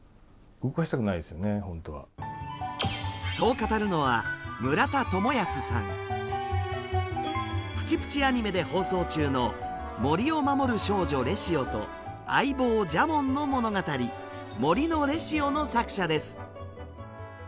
そう語るのは「プチプチ・アニメ」で放送中の森を守る少女レシオと相棒ジャモンの物語「森のレシオ」の作者です。